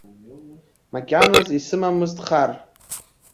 Макьаназ исымамызт хар.